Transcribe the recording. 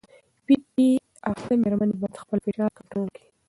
پي پي پي اخته مېرمنې باید خپل فشار کنټرول کړي.